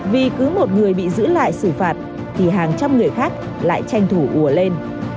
vì cứ một người bị giữ lại xử phạt thì hàng trăm người khác lại tranh thủ ùa lên